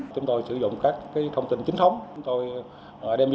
chúng tôi sử dụng các thông tin chính thống chúng tôi đem đi